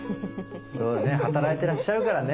そうだね働いていらっしゃるからね。